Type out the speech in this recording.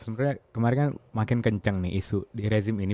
sebenarnya kemarin kan makin kencang nih isu di rezim ini